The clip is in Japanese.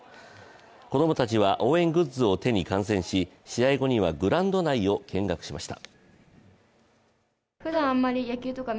子供たちは応援グッズを手に観戦し、試合後にはグラウンド内を見学しました。